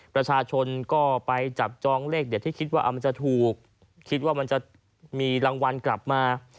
ประชาชนก็ไปจับจองเลขเด็ดที่คิดว่ามันจะถูกคิดว่ามันจะมีรางวัลกลับมา